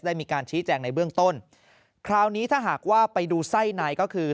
มีการชี้แจงในเบื้องต้นคราวนี้ถ้าหากว่าไปดูไส้ในก็คือ